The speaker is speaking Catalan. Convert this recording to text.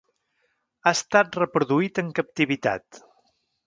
Ha estat reproduït en captivitat.